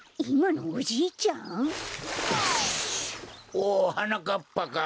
おうはなかっぱか。